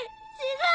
違う！